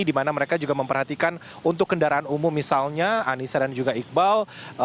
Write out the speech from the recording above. di mana mereka juga memperhatikan untuk kendaraan umum misalnya anissa dan juga iqbal